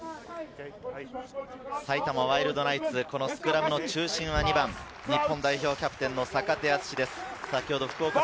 埼玉ワイルドナイツ、スクラムの中心は２番・日本代表キャプテンの坂手淳史です。